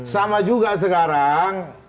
sama juga sekarang